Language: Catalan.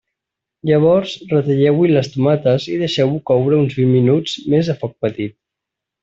Llavors ratlleu-hi les tomates i deixeu-ho coure uns vint minuts més a foc petit.